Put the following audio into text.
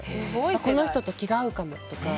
この人と気が合うかもとか。